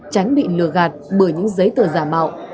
tránh bị lừa gạt bởi những giấy tờ giả mạo